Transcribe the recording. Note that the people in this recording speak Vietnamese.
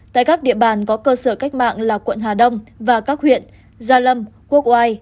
tại các địa bàn có cơ sở cách mạng là quận hà đông và các huyện gia lâm quốc oai